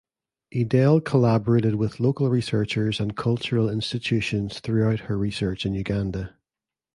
Edel collaborated with local researchers and cultural institutions throughout her research in Uganda.